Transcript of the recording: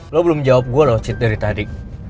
lo belum jawab gue loh cheat dari tadi